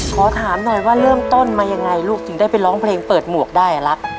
ขอถามหน่อยว่าเริ่มต้นมายังไงลูกถึงได้ไปร้องเพลงเปิดหมวกได้รัก